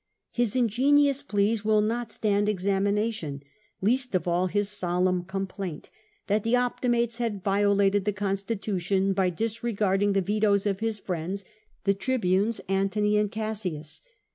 His ingenious pleas will not stand examination — least of all his solemn complaint that the Optimates had violated the constitu tion by disregarding the vetos of his friends, the tribunes Antony and Cassius.